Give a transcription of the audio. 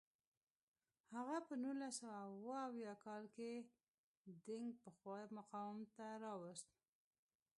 هغه په نولس سوه اووه اویا کال کې دینګ پخوا مقام ته راوست.